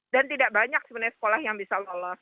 dan tidak banyak sebenarnya sekolah yang bisa lolos